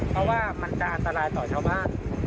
เพราะว่ามันจะอันตรายต่อชาวบ้าน